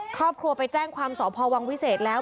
ครอบครัวไปแจ้งความสพวังวิเศษแล้ว